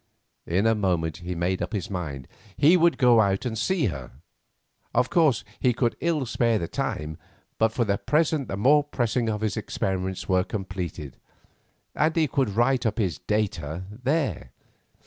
In a moment he made up his mind; he would go out and see her. Of course, he could ill spare the time, but for the present the more pressing of his experiments were completed, and he could write up his "data" there.